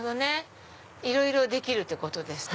いろいろできるってことですね。